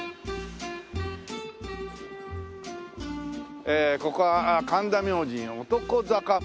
ええここは神田明神男坂。